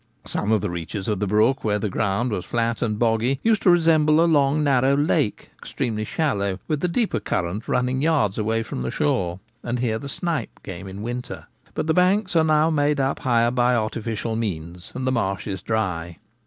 Some of the reaches of the brook, where the ground was flat and boggy, used to resemble a long narrow lake, extremely shallow, with the deeper current running yards away from the shore : and here the snipe came in the winter. But the banks are now made up higher by artificial means, and the marsh is dry.